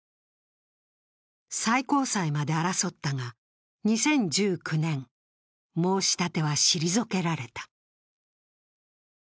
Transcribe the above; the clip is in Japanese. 最高裁まで争ったが、２０１９年、申し立ては退けられた。